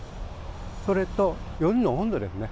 それと、夜の温度ですね。